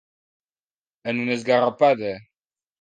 En una esgarrapada.